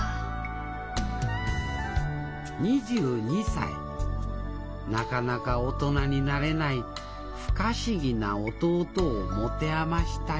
２２歳なかなか大人になれない不可思議な弟を持て余した夜でした。